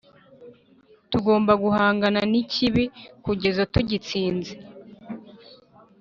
Tugomba guhangana n’ikibi kugeza tugitsinze